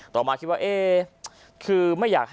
ต่อมาคิดว่าเอ๊คือไม่อยากให้